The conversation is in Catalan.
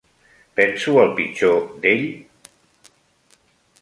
Penso el pitjor d"ell?